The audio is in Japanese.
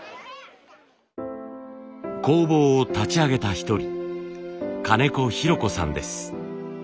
工房を立ち上げた一人金子ひろ子さんです。